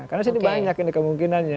karena disini banyak ini kemungkinannya